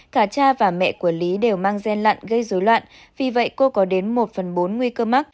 cả cha và mẹ của lý đều mang gen lặn gây dối loạn vì vậy cô có đến một phần bốn nguy cơ mắc